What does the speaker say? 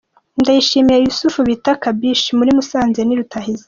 Ndayishimiye Yousouf bita Kabishi, muri Musanze ni rutahizamu.